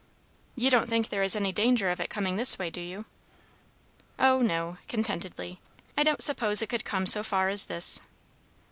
"You don't think there is any danger of its coming this way, do you?" "Oh, no!" contentedly. "I don't suppose it could come so far as this."